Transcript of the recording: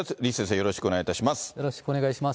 よろしくお願いします。